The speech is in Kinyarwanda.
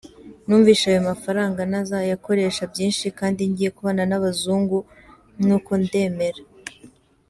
Numvise ayo mafaranga nazayakoresha byinshi kandi ngiye kubana n’abazungu nuko ndemera.